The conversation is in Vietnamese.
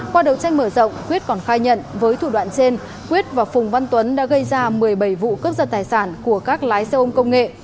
qua đầu tranh mở rộng quyết còn khai nhận với thủ đoạn trên quyết và phùng văn tuấn đã gây ra một mươi bảy vụ cướp giật tài sản của các lái xe ôm công nghệ